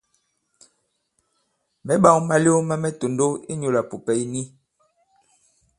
Mɛ̌ ɓāw malew ma mɛ tòndow inyūlā pùpɛ̀ ì ni.